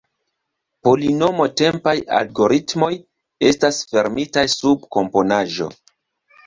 Polinomo-tempaj algoritmoj estas fermitaj sub komponaĵo.